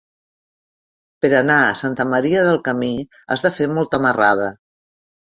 Per anar a Santa Maria del Camí has de fer molta marrada.